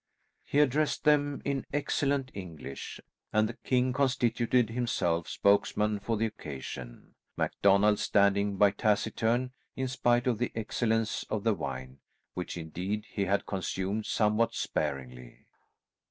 He addressed them in excellent English, and the king constituted himself spokesman for the occasion, MacDonald standing by taciturn, in spite of the excellence of the wine, which indeed he had consumed somewhat sparingly.